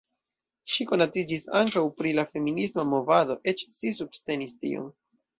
Ŝi konatiĝis ankaŭ pri la feminisma movado, eĉ ŝi subtenis tion.